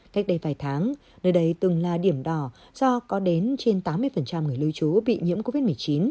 cách đây vài tháng nơi đây từng là điểm đỏ do có đến trên tám mươi người lưu trú bị nhiễm covid một mươi chín